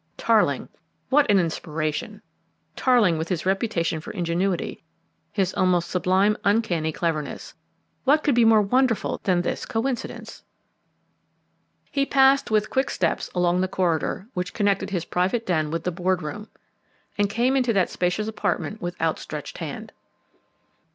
Tarling! What an inspiration! Tarling, with his reputation for ingenuity, his almost sublime uncanny cleverness. What could be more wonderful than this coincidence? He passed with quick steps along the corridor which connected his private den with the board room, and came into that spacious apartment with outstretched hand.